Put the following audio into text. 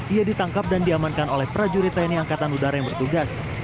ia ditangkap dan diamankan oleh prajurit tni angkatan udara yang bertugas